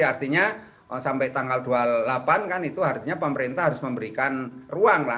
artinya sampai tanggal dua puluh delapan kan itu harusnya pemerintah harus memberikan ruang lah